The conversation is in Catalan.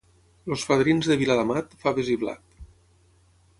Els fadrins de Viladamat, faves i blat.